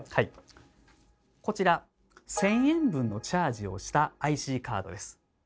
こちら１，０００円分のチャージをしたＩＣカードです。